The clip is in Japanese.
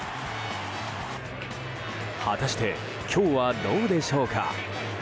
果たして今日はどうでしょうか。